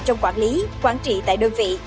trong quản lý quản trị tại đơn vị